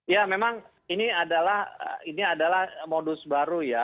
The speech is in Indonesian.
ya memang ini adalah modus baru ya